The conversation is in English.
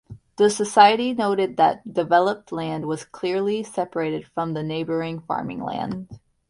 The Society noted that developed land was clearly separated from the neighboring farming land.